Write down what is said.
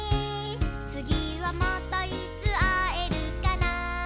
「つぎはまたいつあえるかな」